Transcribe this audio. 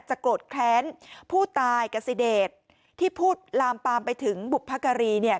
โกรธแค้นผู้ตายกับซิเดชที่พูดลามปามไปถึงบุพการีเนี่ย